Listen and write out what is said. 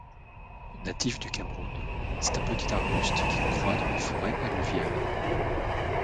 Native du Cameroun, c'est un petit arbuste qui croît dans les forêts alluviales.